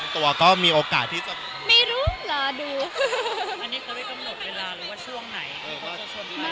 ตัวก็มีโอกาสที่จะไม่รู้รอดูอันนี้เขาไม่กำหนดเวลาเลยว่าช่วงไหน